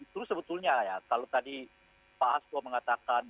terus sebetulnya ya kalau tadi pak hasto mengatakan